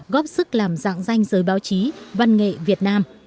góp sức làm dạng danh giới báo chí văn nghệ việt nam